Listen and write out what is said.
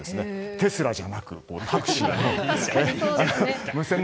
テスラじゃなくタクシーで。